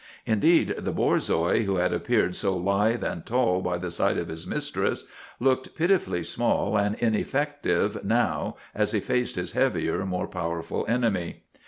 Indeed, the Borzoi, who had ap peared so lithe and tall by the side of his mistress, looked pitifully small and ineffective now as he faced his heavier, more powerful enemy.